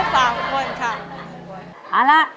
เอาแค่๓คนค่ะ